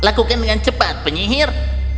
lakukan dengan cepat penyihir